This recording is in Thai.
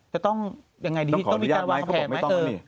จะต้องยังไงดีต้องมีการวางแผนไหม